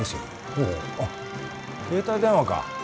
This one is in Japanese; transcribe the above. ほうあっ携帯電話か。